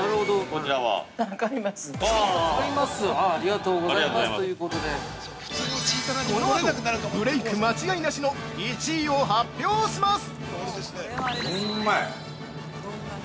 ◆このあと、ブレイク間違いなしの１位を発表します！